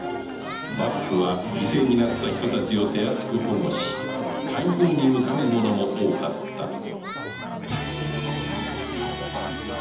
幕府は犠牲になった人たちを手厚く保護し快方に向かう者も多かった